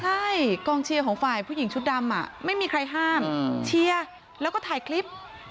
ใช่กองเชียร์ของฝ่ายผู้หญิงชุดดำไม่มีใครห้ามเชียร์แล้วก็ถ่ายคลิป